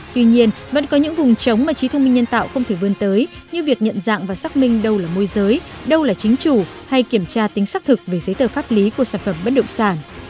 tuy nhiên vẫn có những vùng trống mà trí thông minh nhân tạo không thể vươn tới như việc nhận dạng và xác minh đâu là môi giới đâu là chính chủ hay kiểm tra tính xác thực về giấy tờ pháp lý của sản phẩm bất động sản